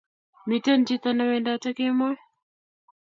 Miten chiton newendate kemo.